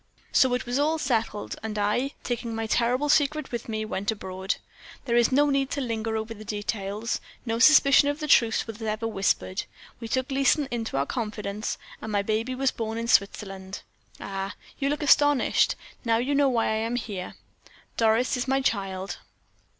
"So it was all settled; and I, taking my terrible secret with me, went abroad. There is no need to linger over the details. No suspicion of the truth was ever whispered. We took Leeson into our confidence, and my baby was born in Switzerland. Ah! you look astonished. Now you know why I am here Doris is my child!"